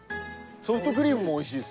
ソフトクリームも美味しいです。